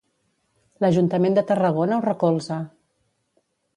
L'Ajuntament de Tarragona ho recolza.